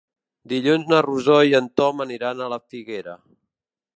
Dilluns na Rosó i en Tom aniran a la Figuera.